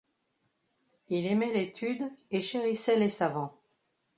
Il aimait l'étude et chérissait les savants.